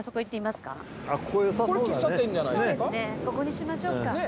ここにしましょうか。